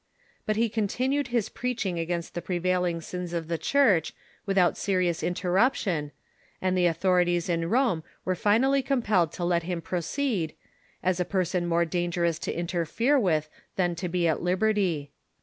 But he continued his preaching against the prevail ing sins of the Church Avithout serious interruption, and the authorities in Rome Avere finally compelled to let him proceed, as a person more dangerous to interfere Avith than to be at lib erty.